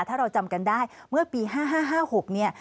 ถ้าเราจำกันได้เมื่อปี๕๕๕๖